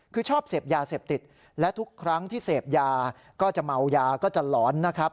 คือชอบเสพยาเสพติดและทุกครั้งที่เสพยาก็จะเมายาก็จะหลอนนะครับ